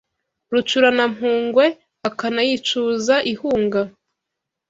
Rucurana-mpungwe akanayicuza ihunga